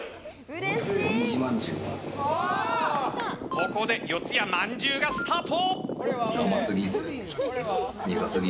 ここで四谷まんじゅうがスタート！